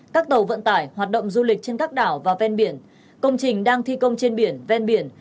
các tàu vận tải hoạt động du lịch trên các đảo và ven biển công trình đang thi công trên biển ven biển